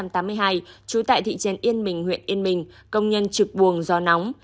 trú tại thị trấn yên bình huyện yên bình công nhân trực buồng gió nóng